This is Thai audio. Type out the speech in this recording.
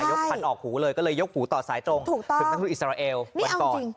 พันธุ์ออกหูเลยก็เลยยกหูต่อสายตรงถึงนักทุนอิสราเอลวันก่อน